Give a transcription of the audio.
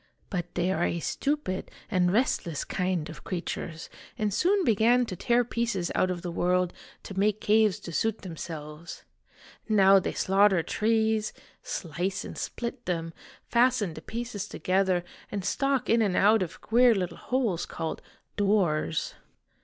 But they are a stupid and restless kind of creatures, and soon began to tear pieces out of the world to make caves to suit themselves. Now they slaughter trees, slice and split them, fasten the pieces together, and stalk in and out of queer little holes called ' doors.'